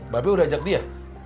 bapak udah ajak dia